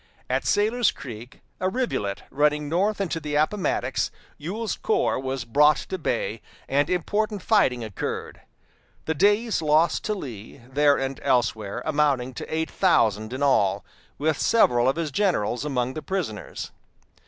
At Sailor's Creek, a rivulet running north into the Appomattox, Ewell's corps was brought to bay, and important fighting occurred; the day's loss to Lee, there and elsewhere, amounting to eight thousand in all, with several of his generals among the prisoners.